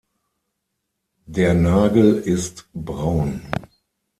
Der Nagel ist braun.